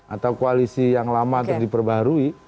atau koalisi yang lama untuk diperbarui